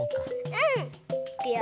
うん！いくよ。